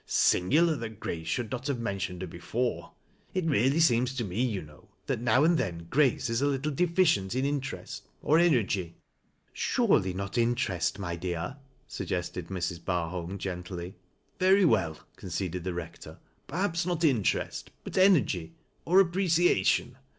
Singular that Grace should not have mentioned her before. It really seems to me, you know, that now and then Grace is a little deficient in interest, oj energy." THE REVEBEIfD EABOLD BABHOLM. 9^1 " Surely not interest, my dear," suggested Mi s. Barhulm, geatly. " Well, well," conceded the Kector, "perhaps not intci est, but energy or — oi appreciation.